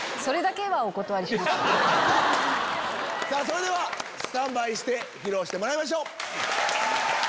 それではスタンバイして披露してもらいましょう。